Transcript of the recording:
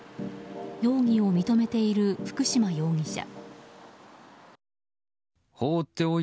容疑を認めている福島容疑者。